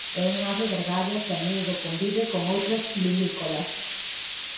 É unha ave gregaria que a miúdo convive con outras limícolas.